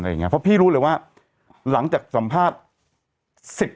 เพราะพี่รู้เลยว่าหลังจากสัมภาษณ์